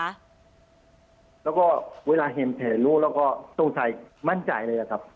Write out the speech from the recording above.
แล้วก็เวลาเห็นแผลลูกแล้วก็สงสัยมั่นใจเลยครับ